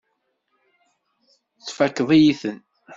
Tfakkeḍ-iyi-ten.